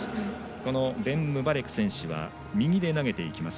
ベンムバレク選手は右で投げていきます。